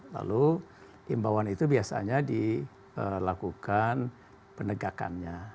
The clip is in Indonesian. lalu imbauan itu biasanya dilakukan penegakannya